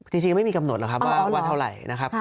จริงไม่มีกำหนดหรอกครับว่าวันเท่าไหร่นะครับ